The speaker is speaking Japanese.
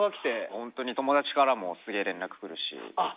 ホントに友達からもすげえ連絡くるし。